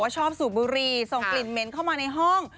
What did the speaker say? ชอบสูบบุหรี่ส่งกลิ่นเหม็นเข้ามาในห้อง